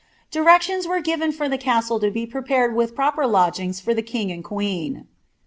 * Directions were given or the castle to be prepared with proper lodgings for the king and queen.